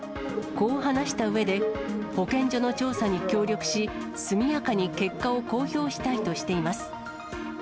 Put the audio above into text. こう話したうえで、保健所の調査に協力し、速やかに結果を公表したいとしています。